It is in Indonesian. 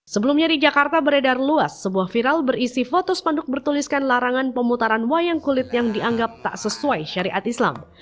sebelumnya di jakarta beredar luas sebuah viral berisi foto spanduk bertuliskan larangan pemutaran wayang kulit yang dianggap tak sesuai syariat islam